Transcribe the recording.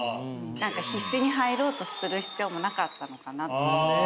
何か必死に入ろうとする必要もなかったのかなと。